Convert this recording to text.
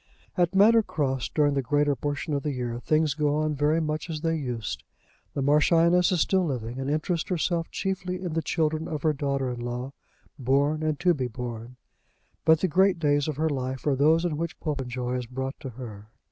At Manor Cross during the greater portion of the year things go on very much as they used. The Marchioness is still living, and interests herself chiefly in the children of her daughter in law, born, and to be born. But the great days of her life are those in which Popenjoy is brought to her.